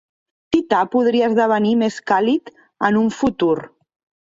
Tità podria esdevenir més càlid en un futur.